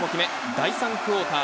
第３クオーター。